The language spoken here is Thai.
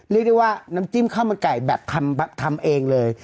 เรียกได้ว่าน้ำจิ้มข้าวมันไก่แบบทำเองเลย